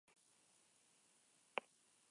Albo barean Londres hotela du.